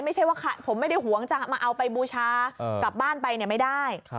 ไม่ใช่ว่าผมไม่ได้หวงจะมาเอาไปบูชากลับบ้านไปไม่ได้